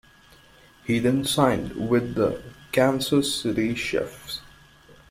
He then signed with the Kansas City Chiefs.